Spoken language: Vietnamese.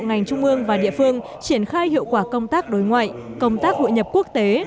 ngành trung ương và địa phương triển khai hiệu quả công tác đối ngoại công tác hội nhập quốc tế